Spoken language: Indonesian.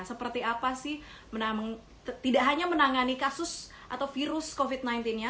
seperti apa sih tidak hanya menangani kasus atau virus covid sembilan belas nya